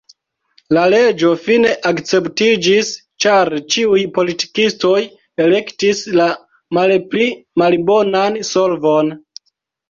La leĝo fine akceptiĝis, ĉar ĉiuj politikistoj elektis la malpli malbonan solvon.